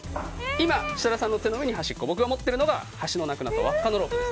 今、設楽さんの手の上に端っこ僕が持ってるのが端のなくなった輪っかのロープです。